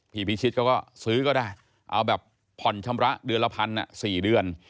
พี่พิชิตก็ซื้อก็ได้เอาแบบผ่อนชำระเดือนละ๑๐๐๐บาท๔เดือน